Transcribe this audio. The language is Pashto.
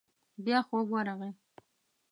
بيا خوب ورغی.